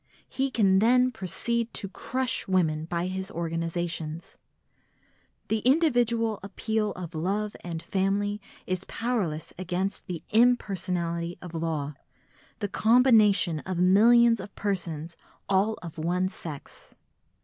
He can then proceed to crush women by his organisations. The individual appeal of love and family is powerless against the impersonality of law, the combination of millions of persons all of one sex.